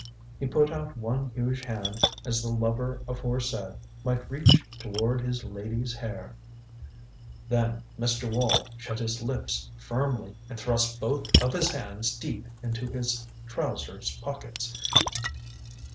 He put out one huge hand as the lover aforesaid might reach toward his lady's hair. Then Mr. Wall shut his lips firmly, and thrust both of his hands deep into his trousers pockets.